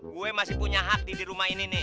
gue masih punya hak di rumah ini nih